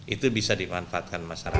itu bisa dimanfaatkan masyarakat